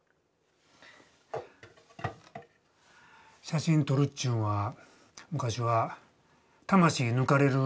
写真撮るっちゅうんは昔は魂抜かれる